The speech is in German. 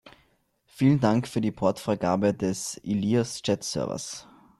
Vielen Dank für die Portfreigabe des Ilias Chat-Servers!